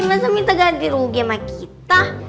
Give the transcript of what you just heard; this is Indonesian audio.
masa minta ganti rugi sama kita